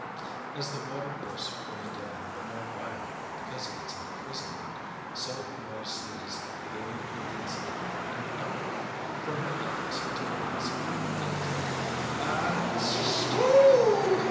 As the water bursts from the dam the more violently because of its imprisonment, so Norah's sneeze gained intensity and uproar from her efforts to repress it. It came— "A—tish—oo—oo!"